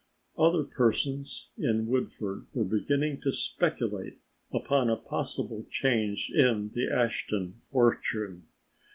Other persons in Woodford were beginning to speculate upon a possible change in the Ashton fortune.